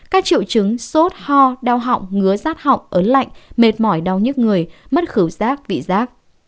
các triệu chứng sốt ho đau họng ngứa rát họng ớn lạnh mệt mỏi đau nhức người mất khử rác vị giác